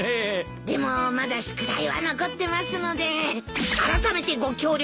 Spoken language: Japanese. でもまだ宿題は残ってますのであらためてご協力